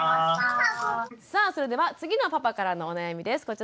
さあそれでは次のパパからのお悩みです。